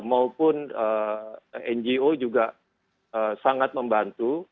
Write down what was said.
maupun ngo juga sangat membantu